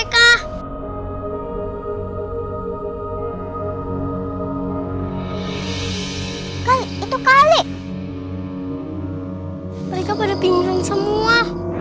hai itu kali mereka pada pinggir semua